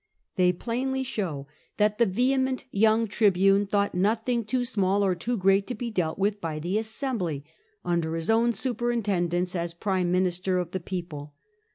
They plainly show that the vehement young tribune thought nothing too small or too great to be dealt with by the assembly, under his own superintendence as prime minister of the people.